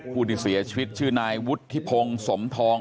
ผู้ที่เสียชีวิตชื่อนายวุฒิพงศ์สมทอง